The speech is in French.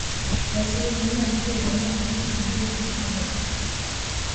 La cérémonie a inclus également la remise des Jeux de Pékin à Londres.